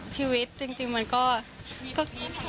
ชีวิตจริงมันก็คิด